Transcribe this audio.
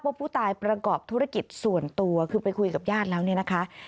ผู้ตายประกอบธุรกิจส่วนตัวคือไปคุยกับญาติแล้วเนี่ยนะคะ